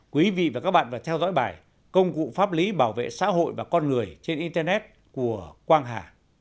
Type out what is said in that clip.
quý vị và các bạn vừa theo dõi bài công cụ pháp lý bảo vệ xã hội và con người trên internet của quang hà